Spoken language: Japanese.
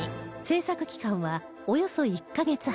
制作期間はおよそ１カ月半